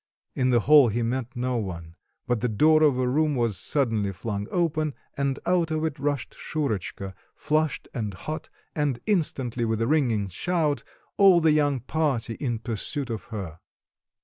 In the hall he met no one; but the door of a room was suddenly flung open, and out of it rushed Shurotchka, flushed and hot, and instantly, with a ringing shout, all the young party in pursuit of her.